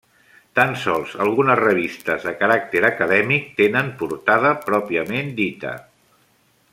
Tan sols algunes revistes de caràcter acadèmic tenen portada pròpiament dita.